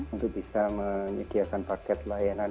untuk bisa menyediakan paket layanan